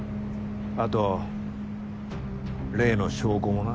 あと例の証拠もな。